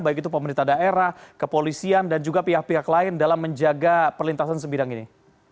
baik itu pemerintah daerah kepolisian dan juga pihak pihak lain dalam menjaga perlintasan sebidang ini